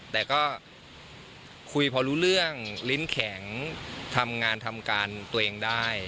แต่ก็คุยพอรู้เรื่องลิ้นแข็งทำงานทำการตัวเองได้